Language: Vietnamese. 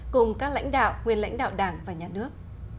cùng các lãnh đạo nguyên lãnh đạo đảng và nhà nước